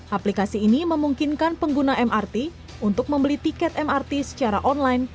aplikasi ini memungkinkan pengguna mrt untuk membeli tiket mrt secara online